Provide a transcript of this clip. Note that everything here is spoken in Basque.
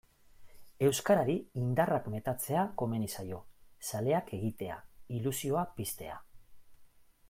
Euskarari indarrak metatzea komeni zaio, zaleak egitea, ilusioa piztea.